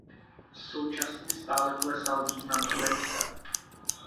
Současně stále klesal význam Turecka.